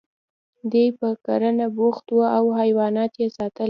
دی په کرنه بوخت و او حیوانات یې ساتل